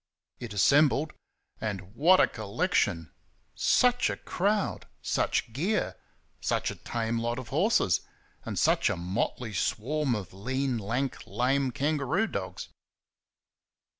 It assembled; and what a collection! Such a crowd! such gear! such a tame lot of horses! and such a motley swarm of lean, lank, lame kangaroo dogs!